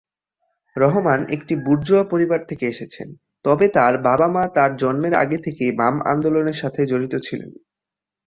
রহমান একটি "বুর্জোয়া" পরিবার থেকে এসেছেন, তবে তার বাবা-মা তার জন্মের আগে থেকেই বাম আন্দোলনের সাথে জড়িত ছিলেন।